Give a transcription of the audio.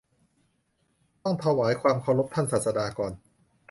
ต้องถวายความเคารพท่านศาสดาก่อน